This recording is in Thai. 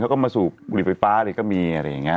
เขาก็มาสูบบุหรี่ไฟฟ้าอะไรก็มีอะไรอย่างนี้